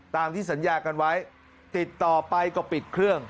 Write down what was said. ตามที่สัญญากันไว้ติดต่อไปก็ปิดเครื่อง